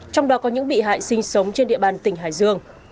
trong đó có những bị hại sinh sống trên địa bàn tỉnh hải dương